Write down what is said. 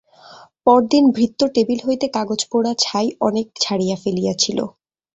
পরদিন ভৃত্য টেবিল হইতে কাগজপোড়া ছাই অনেক ঝাড়িয়া ফেলিয়াছিল।